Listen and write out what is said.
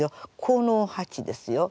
この８ですよ。